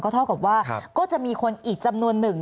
เท่ากับว่าก็จะมีคนอีกจำนวนหนึ่ง